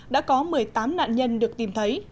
đã có một mươi tám nạn nhân được tìm thấy